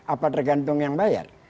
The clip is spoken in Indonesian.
apa tergantung yang bayar